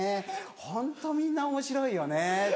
ホントみんなおもしろいよね」。